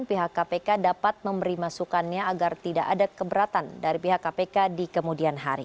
pihak kpk dapat memberi masukannya agar tidak ada keberatan dari pihak kpk di kemudian hari